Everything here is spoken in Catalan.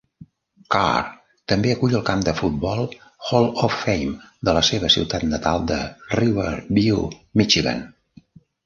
Carr també acull el Camp de Futbol Hall-of-Fame de la seva ciutat natal de Riverview, Michigan.